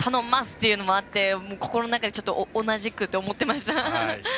ってのもあって心の中で「同じく」と思ってました。